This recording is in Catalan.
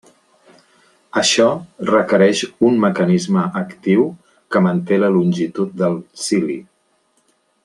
Això requereix un mecanisme actiu que manté la longitud del cili.